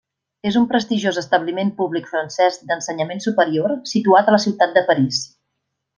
És un prestigiós establiment públic francès d'ensenyament superior situat a la ciutat de París.